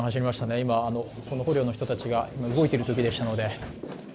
今、捕虜の人たちが動いているときでしたので。